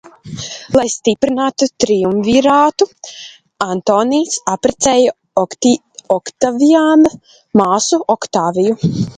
Lai stiprinātu triumvirātu, Antonijs apprecēja Oktaviāna māsu Oktāviju.